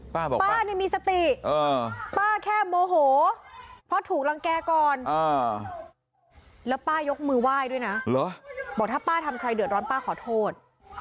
ป้าบอกป้านี่มีสติป้าแค่โมโหเพราะถูกรังแก่ก่อนแล้วป้ายกมือไหว้ด้วยนะบอกถ้าป้าทำใครเดือดร้อนป้าขอโทษ